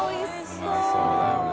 うまそうだよね。